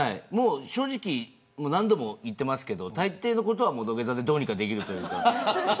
正直、何度も言っていますけどたいていのことは土下座でどうにかできるというか。